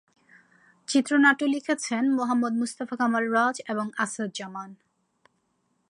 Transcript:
চিত্রনাট্য লিখেছেন মুহাম্মদ মোস্তফা কামাল রাজ এবং আসাদ জামান।